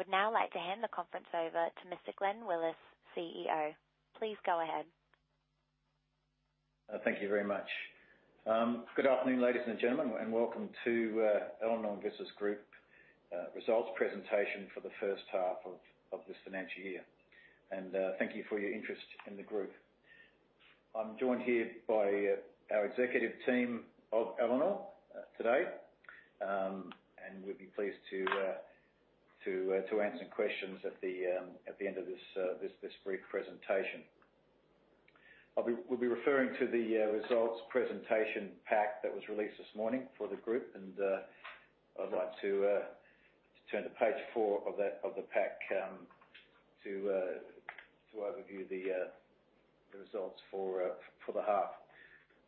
I would now like to hand the conference over to Mr. Glenn Willis, CEO. Please go ahead. Thank you very much. Good afternoon, ladies and gentlemen, welcome to Elanor Investors Group results presentation for the first half of this financial year. Thank you for your interest in the group. I'm joined here by our executive team of Elanor today, and we'll be pleased to answer questions at the end of this brief presentation. We'll be referring to the results presentation pack that was released this morning for the group, and I'd like to turn to page four of the pack to overview the results for the half.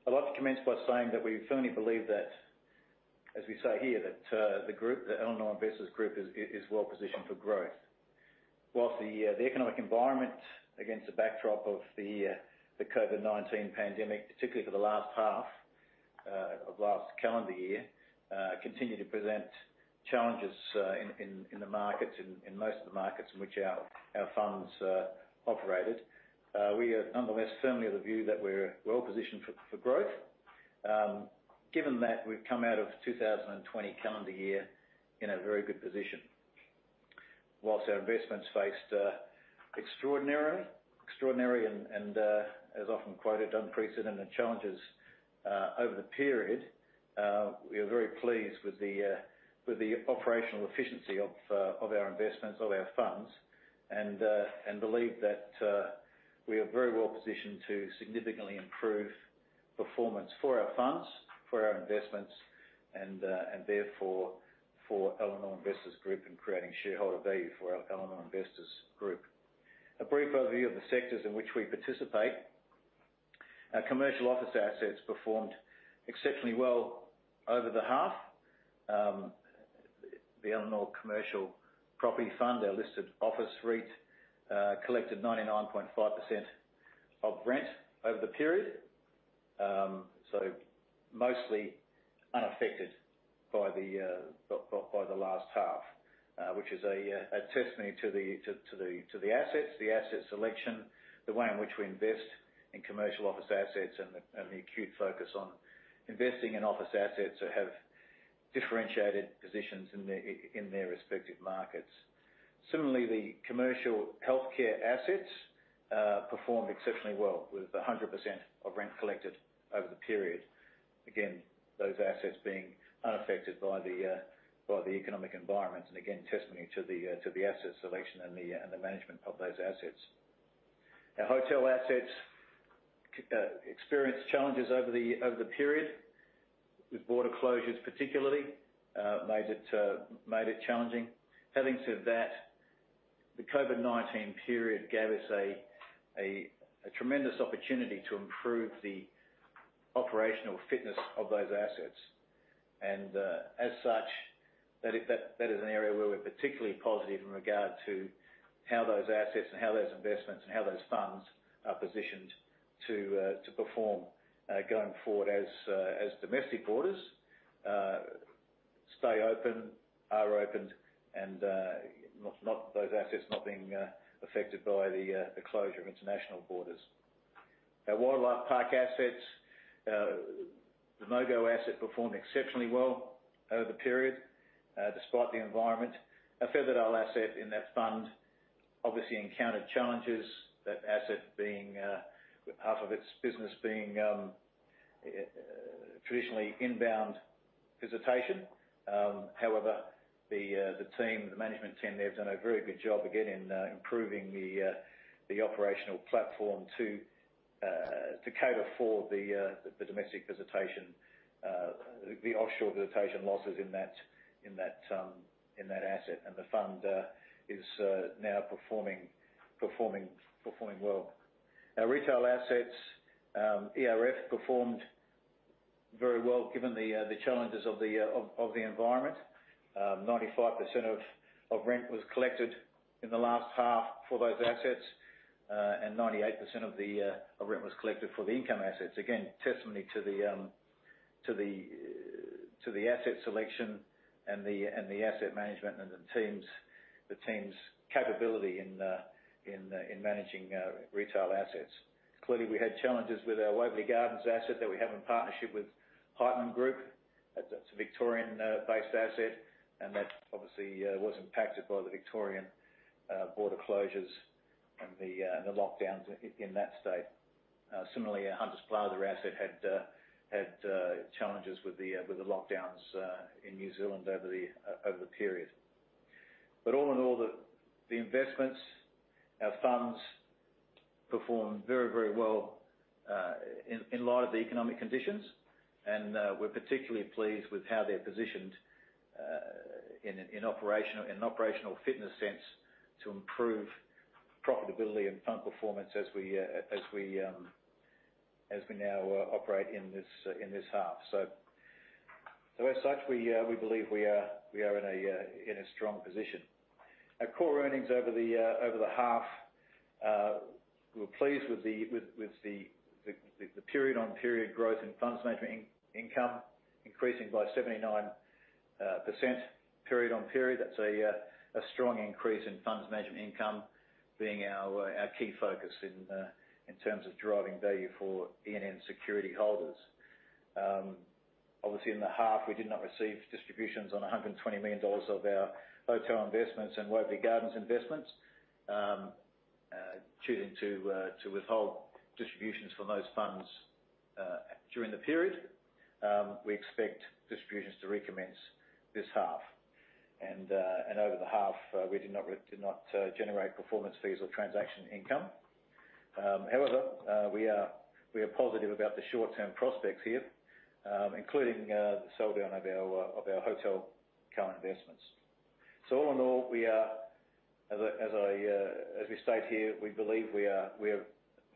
I'd like to commence by saying that we firmly believe that, as we say here, that Elanor Investors Group is well-positioned for growth. Whilst the economic environment, against the backdrop of the COVID-19 pandemic, particularly for the last half of last calendar year, continued to present challenges in most of the markets in which our funds operated, we are nonetheless firmly of the view that we're well positioned for growth, given that we've come out of 2020 calendar year in a very good position. Whilst our investments faced extraordinary and, as often quoted, unprecedented challenges over the period, we are very pleased with the operational efficiency of our investments, of our funds, and believe that we are very well positioned to significantly improve performance for our funds, for our investments, and therefore for Elanor Investors Group in creating shareholder value for our Elanor Investors Group. A brief overview of the sectors in which we participate. Our commercial office assets performed exceptionally well over the half. The Elanor Commercial Property Fund, our listed office REIT, collected 99.5% of rent over the period, mostly unaffected by the last half, which is a testimony to the assets, the asset selection, the way in which we invest in commercial office assets, and the acute focus on investing in office assets that have differentiated positions in their respective markets. Similarly, the commercial healthcare assets performed exceptionally well, with 100% of rent collected over the period. Again, those assets being unaffected by the economic environment, again, testimony to the asset selection and the management of those assets. Our hotel assets experienced challenges over the period, with border closures particularly made it challenging. Having said that, the COVID-19 period gave us a tremendous opportunity to improve the operational fitness of those assets. As such, that is an area where we're particularly positive in regard to how those assets and how those investments and how those funds are positioned to perform going forward as domestic borders stay open, are opened, and those assets not being affected by the closure of international borders. Our wildlife park assets, the Mogo asset performed exceptionally well over the period, despite the environment. Our Featherdale asset in that fund obviously encountered challenges, that asset being half of its business being traditionally inbound visitation. However, the management team there have done a very good job, again, in improving the operational platform to cater for the domestic visitation, the offshore visitation losses in that asset, and the fund is now performing well. Our retail assets, ERF, performed very well given the challenges of the environment. 95% of rent was collected in the last half for those assets, and 98% of rent was collected for the income assets. Again, testimony to the asset selection and the asset management and the team's capability in managing retail assets. Clearly, we had challenges with our Waverley Gardens asset that we have in partnership with Heitman Group. That's a Victorian-based asset, and that obviously was impacted by the Victorian border closures and the lockdowns in that state. Similarly, Hunters Plaza asset had challenges with the lockdowns in New Zealand over the period. But all in all, the investments, our funds performed very well in light of the economic conditions, and we're particularly pleased with how they're positioned in an operational fitness sense to improve profitability and fund performance as we now operate in this half. As such, we believe we are in a strong position. Our core earnings over the half. We're pleased with the period-on-period growth in funds management income increasing by 79% period-on-period. That's a strong increase in funds management income being our key focus in terms of driving value for ENN security holders. Obviously, in the half, we did not receive distributions on 120 million dollars of our hotel investments and Waverley Gardens investments, choosing to withhold distributions from those funds during the period. We expect distributions to recommence this half. Over the half, we did not generate performance fees or transaction income. However, we are positive about the short-term prospects here, including the sell-down of our hotel co-investments. All in all, as we state here, we believe we are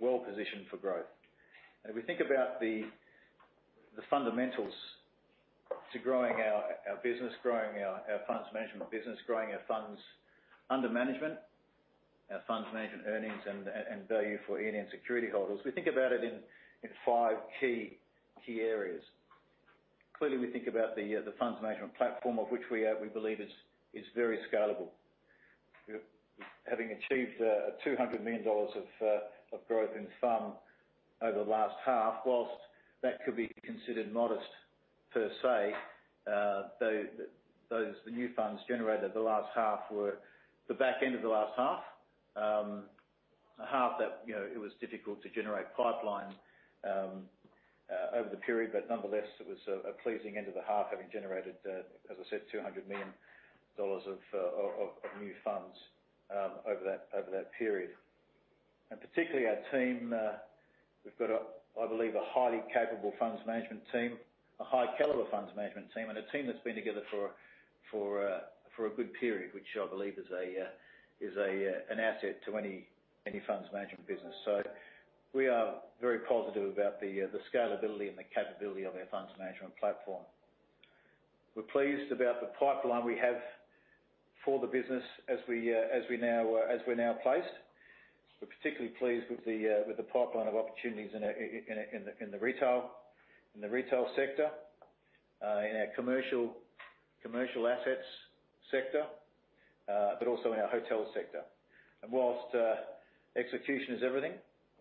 well-positioned for growth. If we think about the fundamentals to growing our business, growing our funds management business, growing our funds under management, our funds management earnings, and value for ENN security holders, we think about it in five key areas. Clearly, we think about the funds management platform, of which we believe is very scalable. Having achieved 200 million dollars of growth in fund over the last half, whilst that could be considered modest per se, the new funds generated the last half were the back end of the last half. A half that it was difficult to generate pipeline over the period, but nonetheless, it was a pleasing end of the half having generated, as I said, 200 million dollars of new funds over that period. Particularly our team, we've got, I believe, a highly capable funds management team, a high caliber funds management team, and a team that's been together for a good period, which I believe is an asset to any funds management business. We are very positive about the scalability and the capability of our funds management platform. We're pleased about the pipeline we have for the business as we're now placed. We're particularly pleased with the pipeline of opportunities in the retail sector, in our commercial assets sector, but also in our hotel sector. Whilst execution is everything,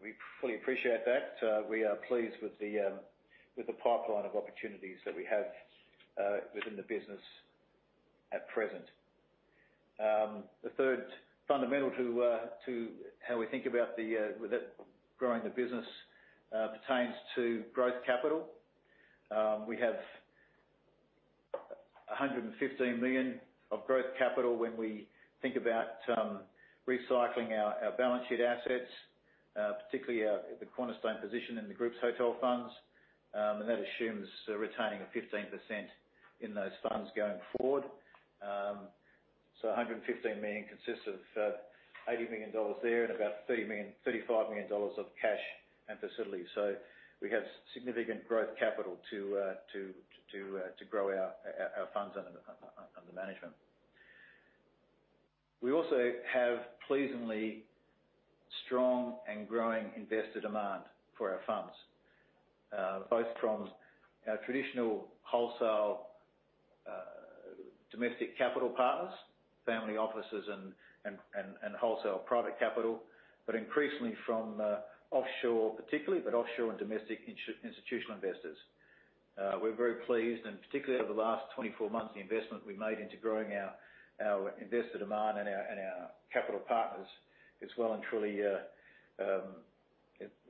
we fully appreciate that. We are pleased with the pipeline of opportunities that we have within the business at present. The third fundamental to how we think about growing the business pertains to growth capital. We have 115 million of growth capital when we think about recycling our balance sheet assets, particularly the cornerstone position in the group's hotel funds. That assumes retaining of 15% in those funds going forward. 115 million consists of 80 million dollars there and about 35 million dollars of cash and facilities. We have significant growth capital to grow our funds under management. We also have pleasingly strong and growing investor demand for our funds, both from our traditional wholesale domestic capital partners, family offices and wholesale private capital, but increasingly from offshore particularly, but offshore and domestic institutional investors. We're very pleased, and particularly over the last 24 months, the investment we made into growing our investor demand and our capital partners is well and truly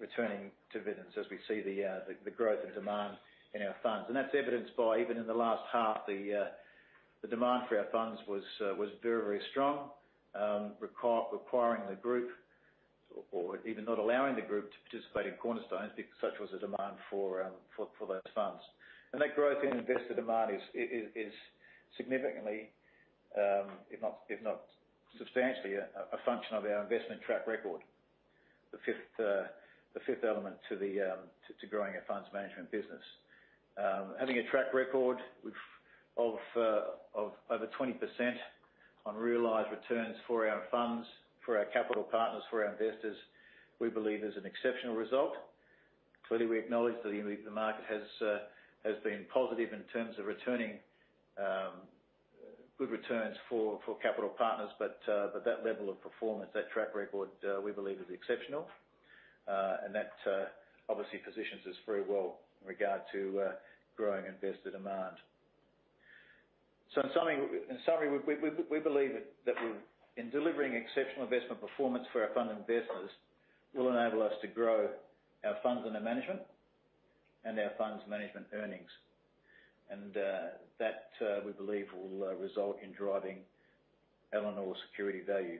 returning dividends as we see the growth of demand in our funds. That's evidenced by even in the last half, the demand for our funds was very strong, requiring the group or even not allowing the group to participate in cornerstones because such was the demand for those funds. That growth in investor demand is significantly, if not substantially, a function of our investment track record, the fifth element to growing our funds management business. Having a track record of over 20% on realized returns for our funds, for our capital partners, for our investors, we believe is an exceptional result. Clearly, we acknowledge that the market has been positive in terms of returning good returns for capital partners, but that level of performance, that track record, we believe is exceptional. That obviously positions us very well in regard to growing investor demand. In summary, we believe that in delivering exceptional investment performance for our fund investors will enable us to grow our funds under management and our funds management earnings. That, we believe, will result in driving Elanor security value.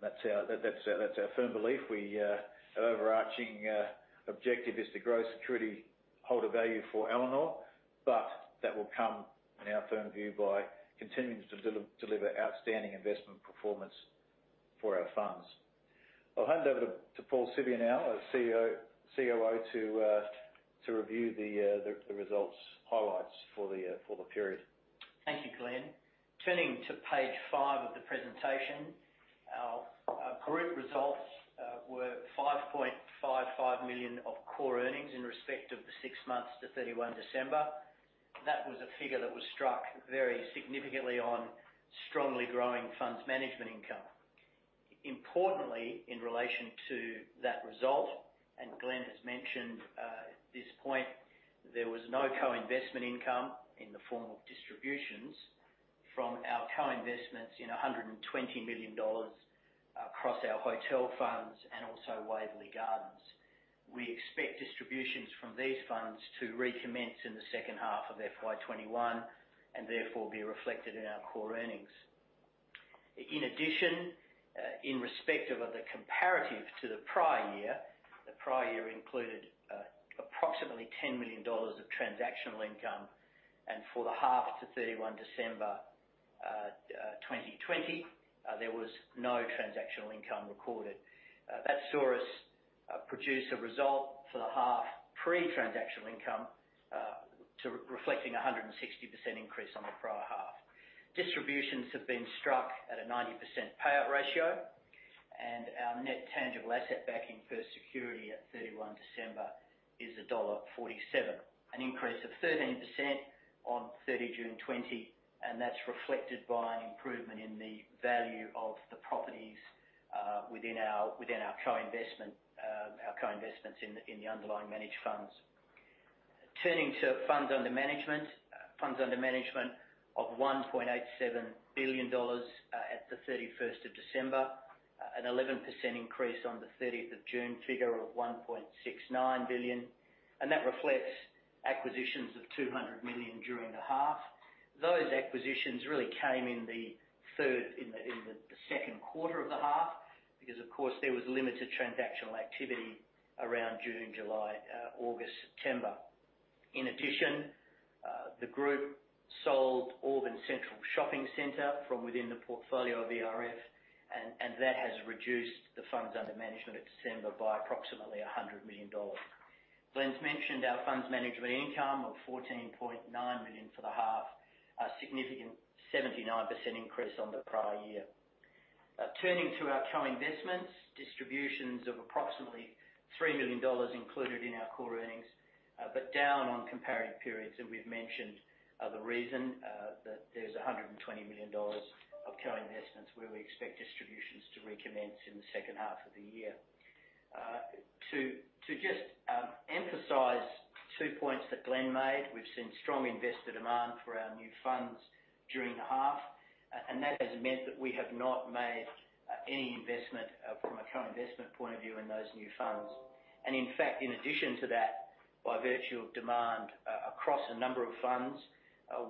That's our firm belief. Our overarching objective is to grow security holder value for Elanor, but that will come in our firm view by continuing to deliver outstanding investment performance for our funds. I'll hand over to Paul Siviour now, our COO, to review the results highlights for the period. Thank you, Glenn. Turning to page five of the presentation, our group results were 5.55 million of core earnings in respect of the six months to 31 December. That was a figure that was struck very significantly on strongly growing funds management income. Importantly, in relation to that result, Glenn has mentioned this point, there was no co-investment income in the form of distributions from our co-investments in 120 million dollars across our hotel funds and also Waverley Gardens. We expect distributions from these funds to recommence in the second half of FY21, and therefore be reflected in our core earnings. In addition, in respect of the comparative to the prior year, the prior year included approximately 10 million dollars of transactional income, and for the half to 31 December 2020, there was no transactional income recorded. That saw us produce a result for the half pre-transactional income, reflecting 160% increase on the prior half. Distributions have been struck at a 90% payout ratio, and our net tangible asset backing per security at 31 December is dollar 1.47, an increase of 13% on 30 June 2020, and that's reflected by an improvement in the value of the properties within our co-investments in the underlying managed funds. Turning to funds under management. Funds under management of 1.87 billion dollars at the 31st of December, an 11% increase on the 30th of June figure of 1.69 billion, and that reflects acquisitions of 200 million during the half. Those acquisitions really came in the second quarter of the half because, of course, there was limited transactional activity around June, July, August, September. In addition, the group sold Auburn Central Shopping Centre from within the portfolio of ERF, and that has reduced the funds under management at December by approximately 100 million dollars. Glenn's mentioned our funds management income of 14.9 million for the half, a significant 79% increase on the prior year. Turning to our co-investments, distributions of approximately 3 million dollars included in our core earnings, but down on comparative periods, and we've mentioned the reason, that there's 120 million dollars of co-investments where we expect distributions to recommence in the second half of the year. To just emphasize two points that Glenn made. We've seen strong investor demand for our new funds during the half, and that has meant that we have not made any investment from a co-investment point of view in those new funds. In fact, in addition to that, by virtue of demand across a number of funds,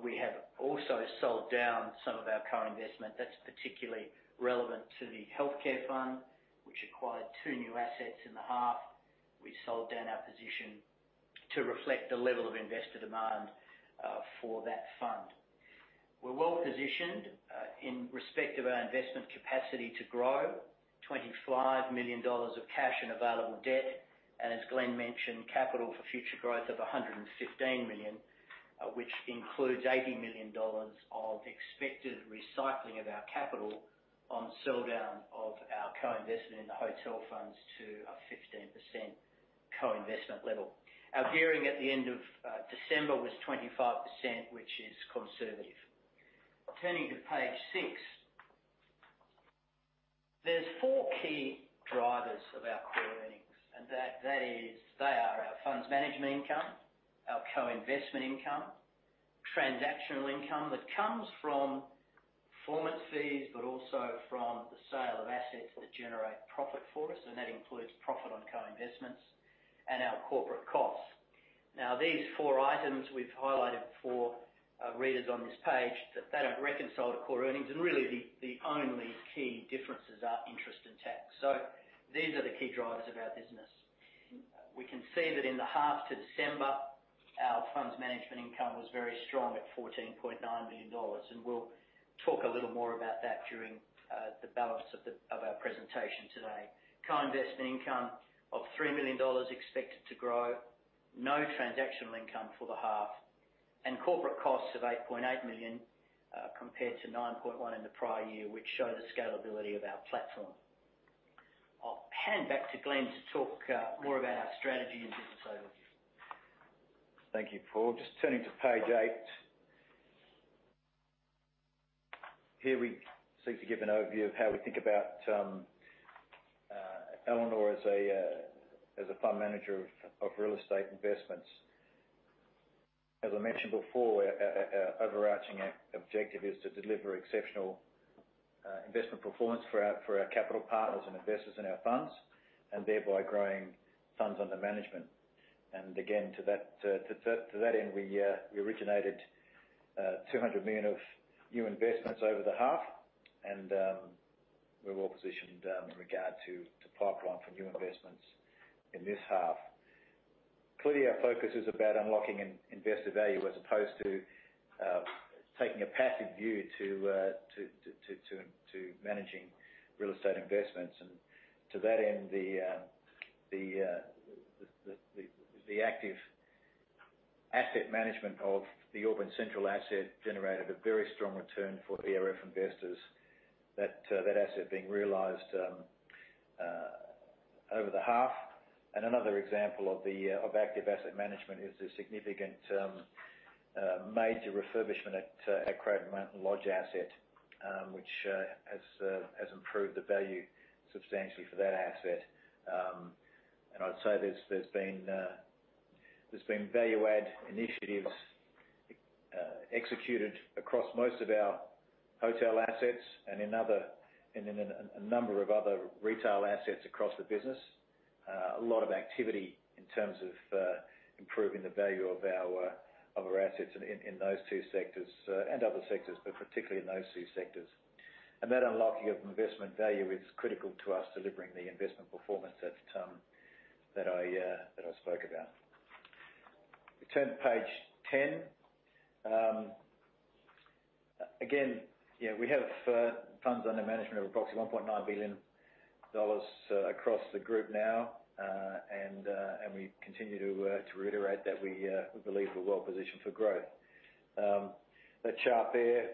we have also sold down some of our co-investment. That's particularly relevant to the healthcare fund, which acquired two new assets in the half. We sold down our position to reflect the level of investor demand for that fund. We're well-positioned in respect of our investment capacity to grow 25 million dollars of cash and available debt, and as Glenn mentioned, capital for future growth of 115 million, which includes 80 million dollars of expected recycling of our capital on sell down of our co-investment in the hotel funds to a 15% co-investment level. Our gearing at the end of December was 25%, which is conservative. Turning to page six. There's four key drivers of our core earnings and they are our funds management income, our co-investment income, transactional income that comes from performance fees, but also from the sale of assets that generate profit for us, and that includes profit on co-investments, and our corporate costs. Now, these four items we've highlighted for readers on this page, that they don't reconcile to core earnings, and really the only key differences are interest and tax. These are the key drivers of our business. We can see that in the half to December, our funds management income was very strong at 14.9 million dollars, and we'll talk a little more about that during the balance of our presentation today. Co-investment income of 3 million dollars expected to grow. No transactional income for the half. Corporate costs of 8.8 million compared to 9.1 million in the prior year, which show the scalability of our platform. I'll hand back to Glenn to talk more about our strategy and business overview. Thank you, Paul. Just turning to page eight. Here we seek to give an overview of how we think about Elanor as a fund manager of real estate investments. As I mentioned before, our overarching objective is to deliver exceptional investment performance for our capital partners and investors in our funds, and thereby growing Funds Under Management. Again, to that end, we originated 200 million of new investments over the half and we're well-positioned in regard to pipeline for new investments in this half. Clearly, our focus is about unlocking investor value as opposed to taking a passive view to managing real estate investments. To that end, the active asset management of the Auburn Central asset generated a very strong return for ERF investors, that asset being realized over the half. Another example of active asset management is the significant major refurbishment at Cradle Mountain Lodge asset, which has improved the value substantially for that asset. I'd say there's been value-add initiatives executed across most of our hotel assets and in a number of other retail assets across the business. A lot of activity in terms of improving the value of our assets in those two sectors, and other sectors, but particularly in those two sectors. That unlocking of investment value is critical to us delivering the investment performance that I spoke about. Turn to page 10. Again, we have funds under management of approximately 1.9 billion dollars across the group now. We continue to reiterate that we believe we're well-positioned for growth. That chart there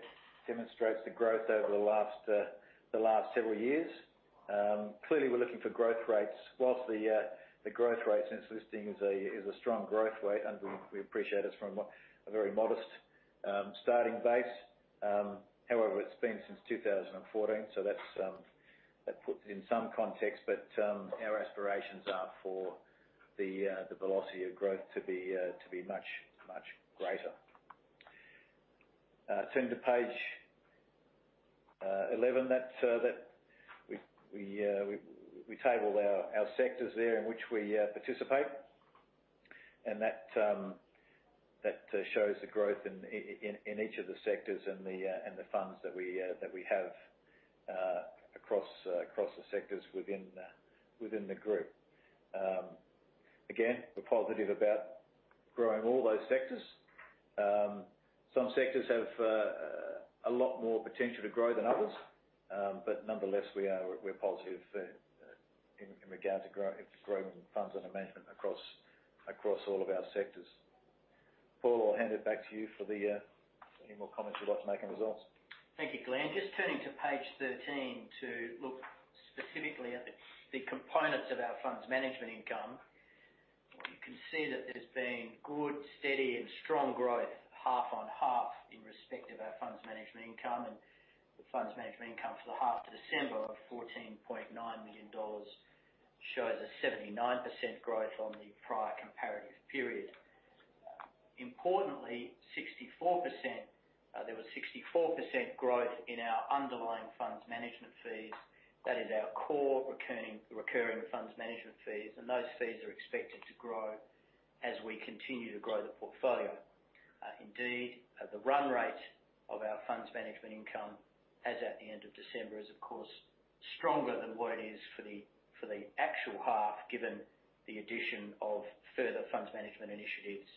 demonstrates the growth over the last several years. Clearly, we're looking for growth rates. Whilst the growth rate since listing is a strong growth rate, and we appreciate it's from a very modest starting base. Our aspirations are for the velocity of growth to be much, much greater. Turn to page 11. We tabled our sectors there in which we participate. That shows the growth in each of the sectors and the funds that we have across the sectors within the group. Again, we're positive about growing all those sectors. Some sectors have a lot more potential to grow than others, but nonetheless, we're positive in regards to growing funds under management across all of our sectors. Paul, I'll hand it back to you for any more comments you'd like to make on results. Thank you, Glenn. Just turning to page 13 to look specifically at the components of our funds management income. You can see that there's been good, steady, and strong growth half on half in respect of our funds management income, and the funds management income for the half to December of 14.9 million dollars shows a 79% growth on the prior comparative period. Importantly, there was 64% growth in our underlying funds management fees. That is our core recurring funds management fees, and those fees are expected to grow as we continue to grow the portfolio. The run rate of our funds management income as at the end of December is, of course, stronger than what it is for the actual half, given the addition of further funds management initiatives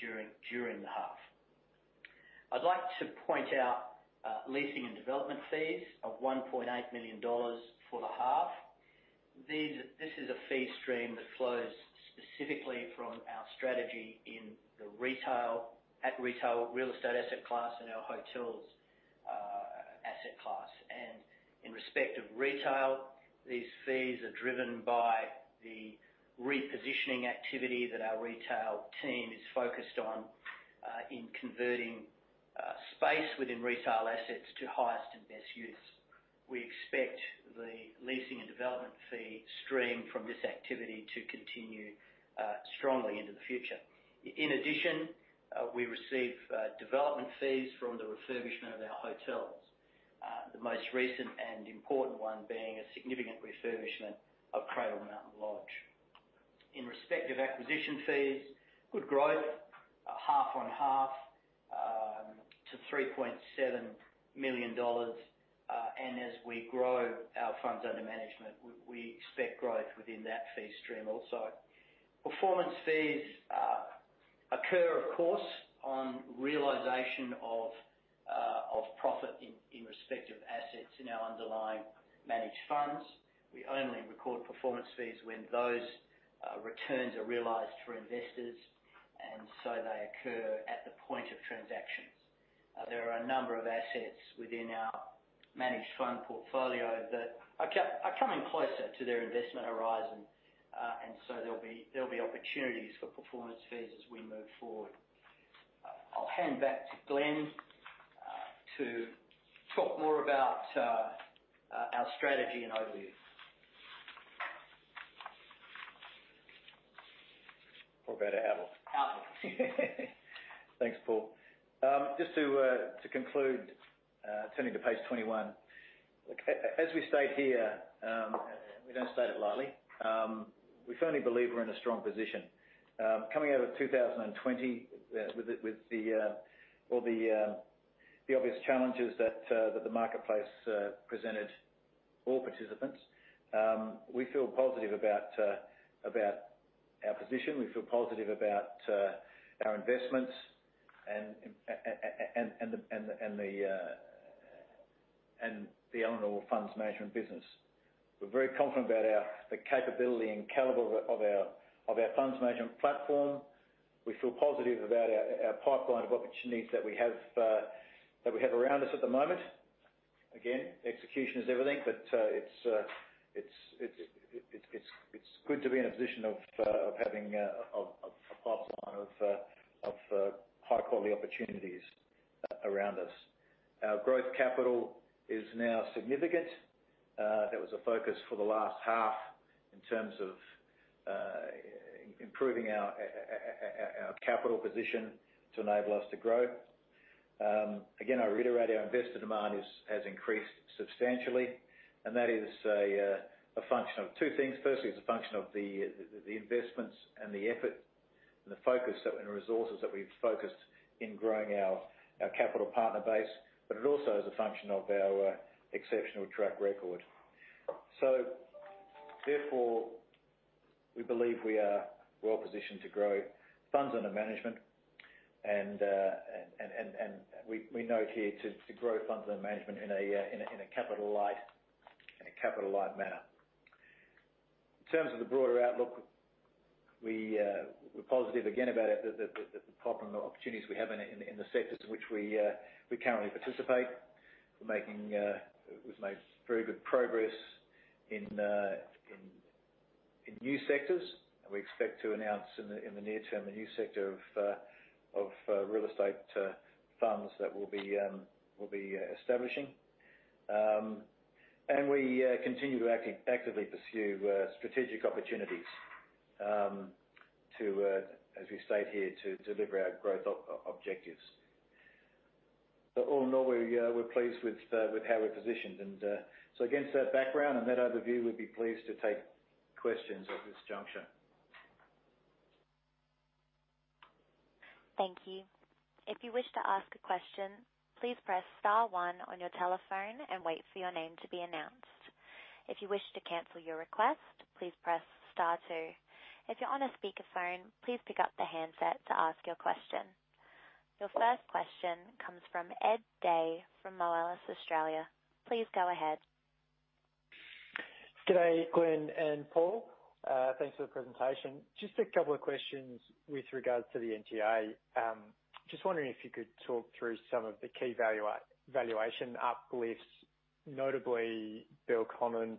during the half. I'd like to point out leasing and development fees of 1.8 million dollars for the half. This is a fee stream that flows specifically from our strategy in the retail real estate asset class and our hotels asset class. In respect of retail, these fees are driven by the repositioning activity that our retail team is focused on, in converting space within retail assets to highest and best use. We expect the leasing and development fee stream from this activity to continue strongly into the future. In addition, we receive development fees from the refurbishment of our hotels. The most recent and important one being a significant refurbishment of Cradle Mountain Lodge. In respect of acquisition fees, good growth, half on half, to 3.7 million dollars. As we grow our funds under management, we expect growth within that fee stream also. Performance fees occur, of course, on realization of profit in respect of assets in our underlying managed funds. We only record performance fees when those returns are realized for investors, so they occur at the point of transactions. There are a number of assets within our managed fund portfolio that are coming closer to their investment horizon. So there'll be opportunities for performance fees as we move forward. I'll hand back to Glenn to talk more about our strategy and outlook. About our outlook. Outlook. Thanks, Paul. Just to conclude, turning to page 21. As we state here, we don't state it lightly, we firmly believe we're in a strong position. Coming out of 2020 with the obvious challenges that the marketplace presented. All participants. We feel positive about our position. We feel positive about our investments and the Elanor Funds Management business. We're very confident about the capability and caliber of our funds management platform. We feel positive about our pipeline of opportunities that we have around us at the moment. Again, execution is everything, but it's good to be in a position of having a pipeline of high-quality opportunities around us. Our growth capital is now significant. That was a focus for the last half in terms of improving our capital position to enable us to grow. Again, I reiterate, our investor demand has increased substantially, and that is a function of two things. Firstly, it's a function of the investments and the effort and the focus and resources that we've focused in growing our capital partner base, but it also is a function of our exceptional track record. Therefore, we believe we are well-positioned to grow funds under management, and we note here to grow funds under management in a capital-light manner. In terms of the broader outlook, we're positive again about the pipeline of opportunities we have in the sectors in which we currently participate. We've made very good progress in new sectors, and we expect to announce in the near term, a new sector of real estate funds that we'll be establishing. We continue to actively pursue strategic opportunities, as we state here, to deliver our growth objectives. All in all, we're pleased with how we're positioned. Against that background and that overview, we'd be pleased to take questions at this juncture. Thank you. If you wish to ask a question please press star one on your telephone and wait for your name to be announced. If you wish to cancel the request please press star two. If you are on a speaker phone please pick up your handset to ask a question. Your first question comes from Ed Day from Moelis Australia. Please go ahead. Good day, Glenn and Paul. Thanks for the presentation. Just a couple of questions with regards to the NTA. Just wondering if you could talk through some of the key valuation uplifts, notably, Belconnen,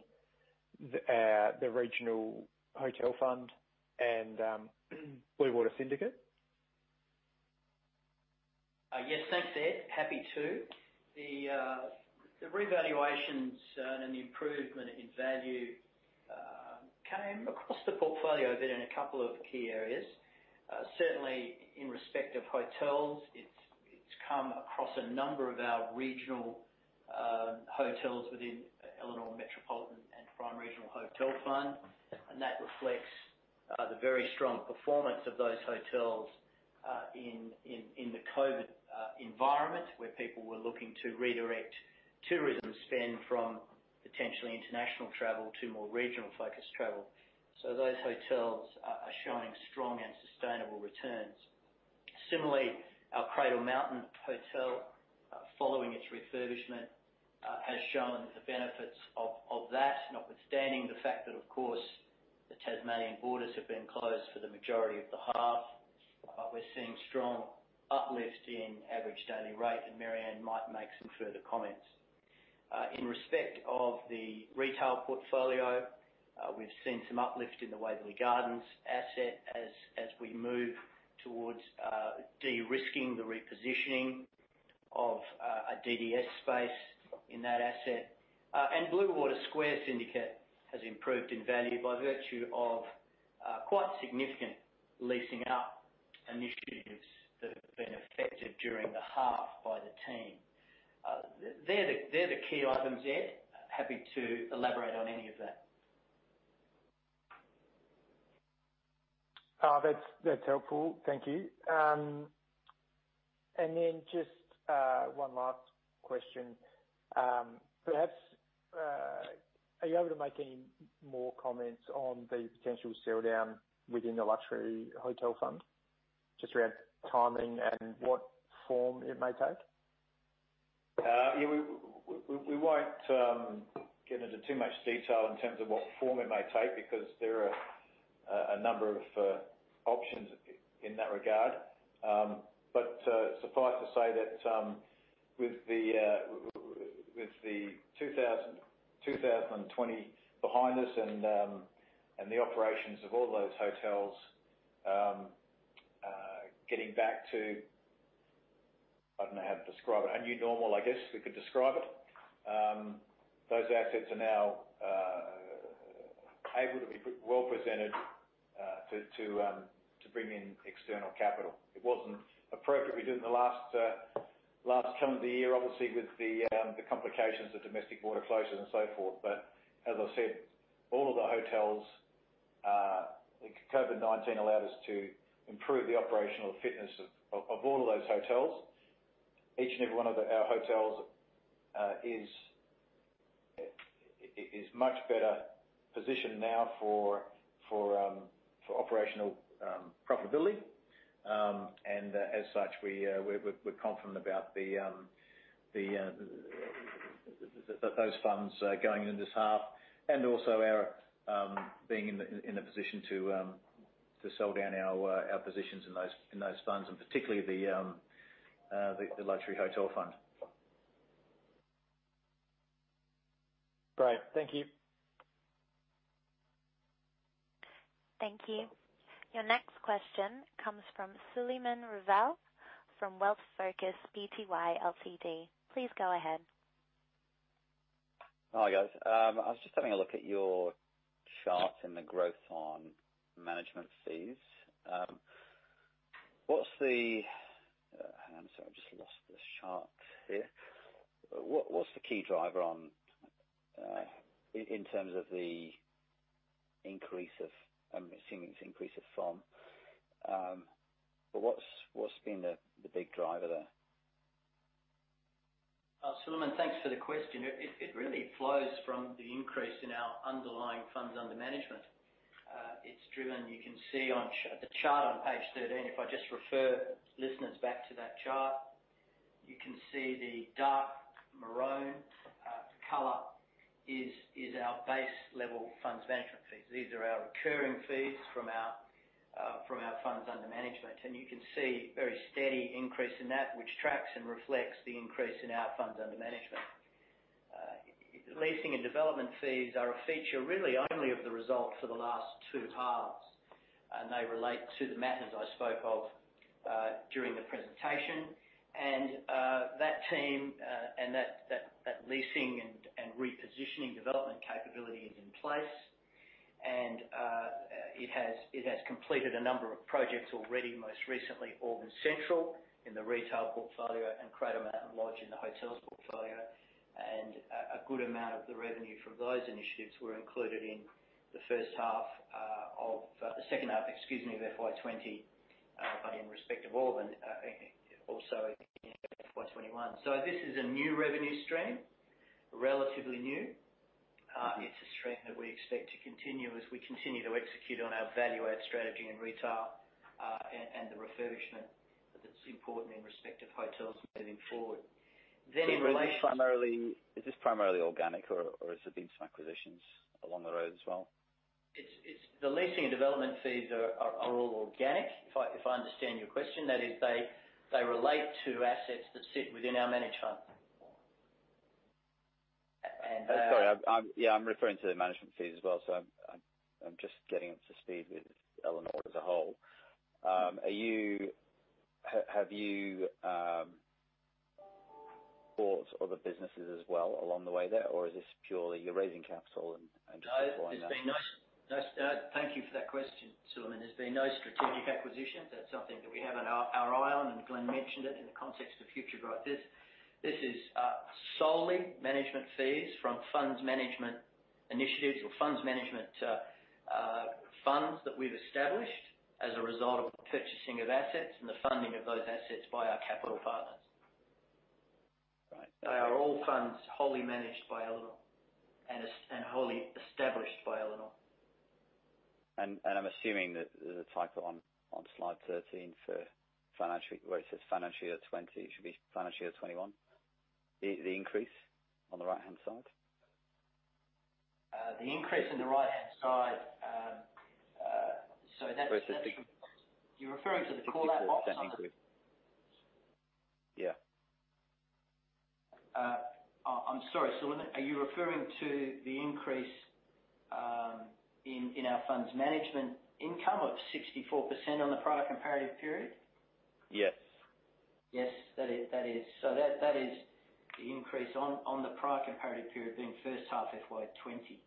the Regional Hotel Fund and Bluewater Syndicate. Yes. Thanks, Ed. The revaluations and the improvement in value came across the portfolio a bit in a couple of key areas. Certainly, in respect of hotels, it's come across a number of our regional hotels within the Elanor Metro and Prime Regional Hotel Fund, and that reflects the very strong performance of those hotels in the COVID environment, where people were looking to redirect tourism spend from potentially international travel to more regional-focused travel. Those hotels are showing strong and sustainable returns. Similarly, our Cradle Mountain hotel, following its refurbishment, has shown the benefits of that, notwithstanding the fact that, of course, the Tasmanian borders have been closed for the majority of the half. We're seeing strong uplift in average daily rate, and Marianne might make some further comments. In respect of the retail portfolio, we've seen some uplift in the Waverley Gardens asset as we move towards de-risking the repositioning of a DDS space in that asset. Bluewater Square Syndicate has improved in value by virtue of quite significant leasing-up initiatives that have been effective during the half by the team. They're the key items, Ed. Happy to elaborate on any of that. That's helpful. Thank you. Just one last question. Perhaps, are you able to make any more comments on the potential sell-down within the Luxury Hotel Fund, just around timing and what form it may take? We won't get into too much detail in terms of what form it may take, because there are a number of options in that regard. Suffice to say that with 2020 behind us and the operations of all those hotels getting back to, I don't know how to describe it, a new normal, I guess, we could describe it. Those assets are now able to be well presented to bring in external capital. It wasn't appropriate we did in the last term of the year, obviously, with the complications of domestic border closures and so forth. As I said, all of the hotels, COVID-19 allowed us to improve the operational fitness of all of those hotels. Each and every one of our hotels is much better positioned now for operational profitability. As such, we're confident about those funds going into this half, and also our being in a position to sell down our positions in those funds, and particularly the Luxury Hotel Fund. Great. Thank you. Thank you. Your next question comes from Sulieman Ravell, from Wealth Focus Pty Ltd. Please go ahead. Hi, guys. I was just having a look at your chart and the growth on management fees. Hang on a second. I've just lost this chart here. What's the key driver in terms of the increase of, I'm assuming it's increase of FUM? What's been the big driver there? Sulieman, thanks for the question. It really flows from the increase in our underlying funds under management. You can see on the chart on page 13, if I just refer listeners back to that chart, you can see the dark maroon color is our base level funds management fees. These are our recurring fees from our funds under management. You can see a very steady increase in that, which tracks and reflects the increase in our funds under management. Leasing and development fees are a feature really only of the result for the last two halves, and they relate to the matters I spoke of during the presentation. That team and that leasing and repositioning development capability is in place. It has completed a number of projects already, most recently Auburn Central in the retail portfolio and Cradle Mountain Lodge in the hotels portfolio. A good amount of the revenue from those initiatives were included in the second half of FY 2020, but in respect of Auburn, also in FY 2021. This is a new revenue stream, relatively new. It's a stream that we expect to continue as we continue to execute on our value add strategy in retail, and the refurbishment that's important in respect of hotels moving forward. In relation- Is this primarily organic, or has there been some acquisitions along the road as well? The leasing and development fees are all organic, if I understand your question. That is, they relate to assets that sit within our managed fund. Sorry, yeah, I'm referring to the management fees as well. I'm just getting up to speed with Elanor as a whole. Have you bought other businesses as well along the way there, or is this purely you're raising capital and just acquiring assets? No. Thank you for that question, Sulieman. There's been no strategic acquisitions. That's something that we have on our eye on, and Glenn mentioned it in the context of future growth. This is solely management fees from funds management initiatives or funds management funds that we've established as a result of the purchasing of assets and the funding of those assets by our capital partners. Right. They are all funds wholly managed by Elanor and wholly established by Elanor. I'm assuming that the typo on slide 13, where it says financial year 2020 should be financial year 2021, the increase on the right-hand side? The increase in the right-hand side. Versus the- You're referring to the call-out box? 64% increase. Yeah. I'm sorry, Sulieman. Are you referring to the increase in our funds management income of 64% on the prior comparative period? Yes. Yes, that is. That is the increase on the prior comparative period being first half FY 2020.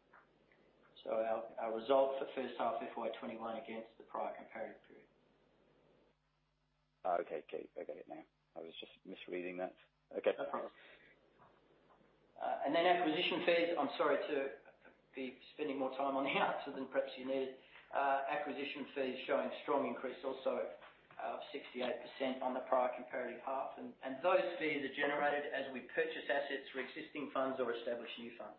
Our result for first half FY 2021 against the prior comparative period. Okay. I get it now. I was just misreading that. Okay. No problem. Acquisition fees, I'm sorry to be spending more time on the answer than perhaps you needed. Acquisition fees showing strong increase also of 68% on the prior comparative half. Those fees are generated as we purchase assets for existing funds or establish new funds.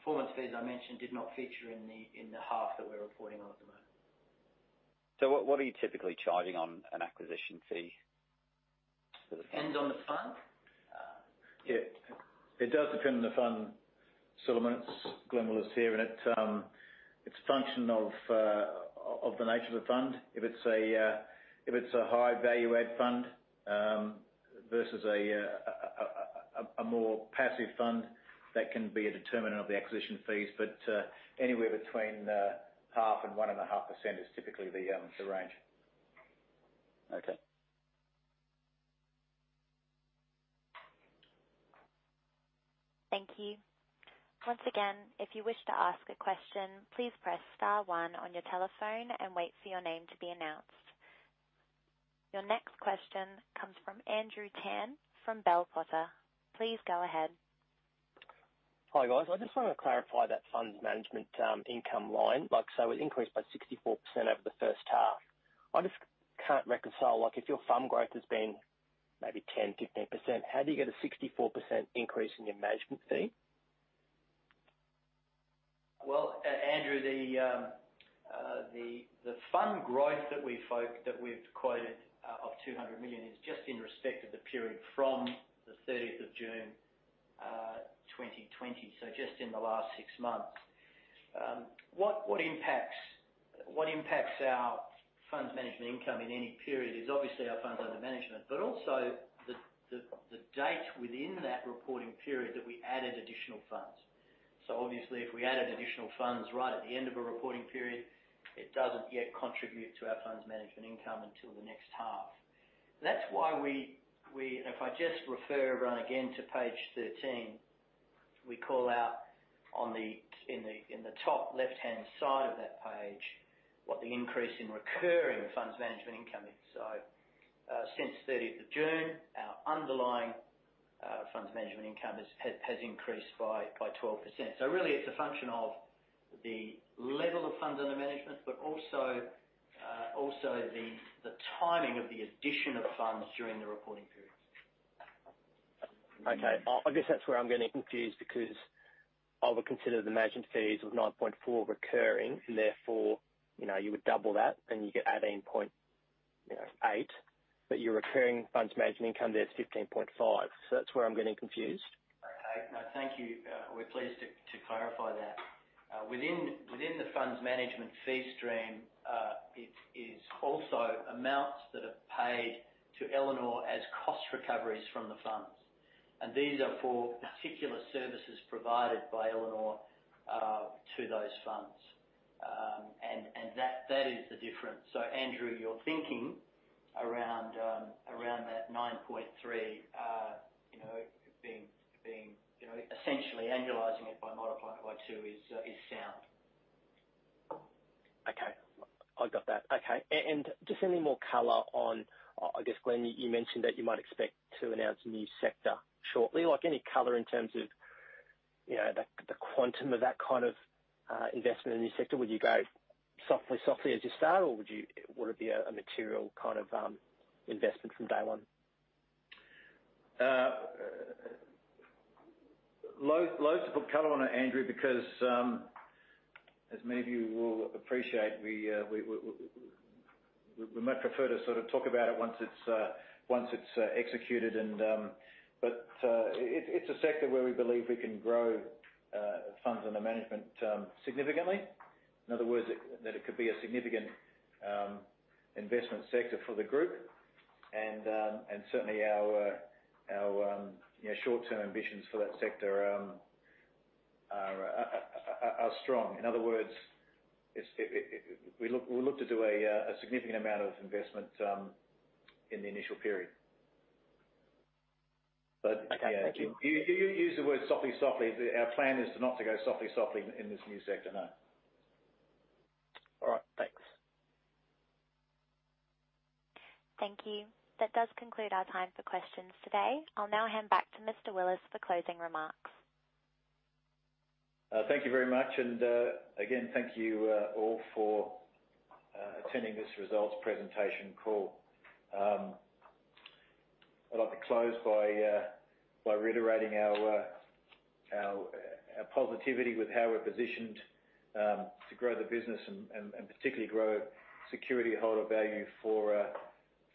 Performance fees, I mentioned, did not feature in the half that we're reporting on at the moment. What are you typically charging on an acquisition fee for the fund? Depends on the fund. Yeah. It does depend on the fund, Sulieman. It's Glenn Willis here, and it's a function of the nature of the fund. If it's a high value add fund versus a more passive fund, that can be a determinant of the acquisition fees. Anywhere between 0.5%-1.5% is typically the range. Okay. Thank you. Once again if you wish to ask a question please press star one on your telephone and wait for your name to be announced. Your next question comes from Andrew Tan, from Bell Potter. Please go ahead. Hi guys. I just want to clarify that funds management income line. It increased by 64% over the first half. I just can't reconcile, if your fund growth has been maybe 10%, 15%, how do you get a 64% increase in your management fee? Andrew, the fund growth that we've quoted of 200 million is just in respect of the period from the 30th of June 2020. Just in the last six months. What impacts our funds management income in any period is obviously our funds under management, but also the date within that reporting period that we added additional funds. Obviously, if we added additional funds right at the end of a reporting period, it doesn't yet contribute to our funds management income until the next half. That's why, if I just refer everyone again to page 13, we call out in the top left-hand side of that page what the increase in recurring funds management income is. Since 30th of June, our underlying funds management income has increased by 12%. Really it's a function of the level of Funds Under Management, but also the timing of the addition of funds during the reporting period. I guess that's where I'm getting confused because I would consider the management fees of 9.4 recurring, and therefore, you would double that and you get 13.8. Your recurring funds management income there is 15.5. That's where I'm getting confused. Okay. No, thank you. We're pleased to clarify that. Within the funds management fee stream, it is also amounts that are paid to Elanor as cost recoveries from the funds. These are for particular services provided by Elanor to those funds. That is the difference. Andrew, your thinking around that 9.3, essentially annualizing it by multiplying it by two is sound. Okay. I got that. Okay. Just any more color on, I guess, Glenn, you mentioned that you might expect to announce a new sector shortly? Any color in terms of the quantum of that kind of investment in the new sector? Would you go softly as you start, or would it be a material investment from day one? Loads to put color on it, Andrew, because as many of you will appreciate, we much prefer to talk about it once it's executed. It's a sector where we believe we can grow funds under management significantly. In other words, that it could be a significant investment sector for the group and certainly our short-term ambitions for that sector are strong. In other words, we look to do a significant amount of investment in the initial period. Okay. Thank you. You use the word softly. Our plan is to not to go softly in this new sector, no. All right. Thanks. Thank you. That does conclude our time for questions today. I'll now hand back to Mr. Willis for closing remarks. Thank you very much, and again, thank you all for attending this results presentation call. I'd like to close by reiterating our positivity with how we're positioned to grow the business and particularly grow security holder value for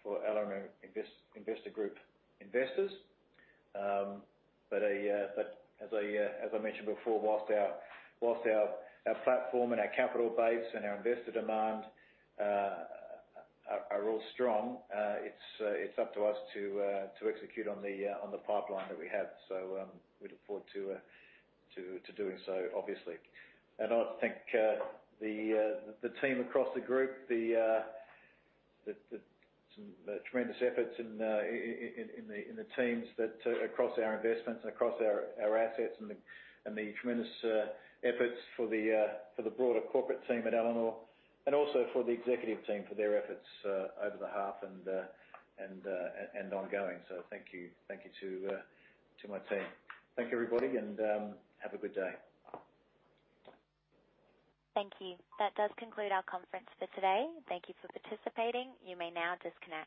Elanor Investors Group investors. As I mentioned before, whilst our platform and our capital base and our investor demand are all strong, it's up to us to execute on the pipeline that we have. We look forward to doing so, obviously. I want to thank the team across the group, the tremendous efforts in the teams across our investments and across our assets and the tremendous efforts for the broader corporate team at Elanor and also for the executive team, for their efforts over the half and ongoing. Thank you to my team. Thank you, everybody, and have a good day. Thank you. That does conclude our conference for today. Thank you for participating. You may now disconnect.